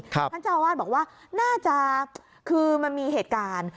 ท่านเจ้าอาวาสบอกว่าน่าจะคือมันมีเหตุการณ์